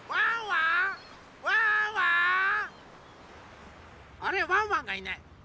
ワンワンがいない。